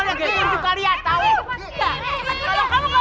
tunggu tunggu tunggu